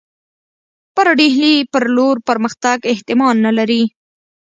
پر ډهلي پر لور پرمختګ احتمال نه لري.